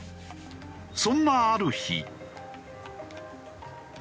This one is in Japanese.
そんなある日。